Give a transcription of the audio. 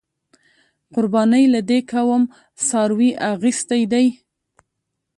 قربانۍ له دې کوم څاروې اغستی دی؟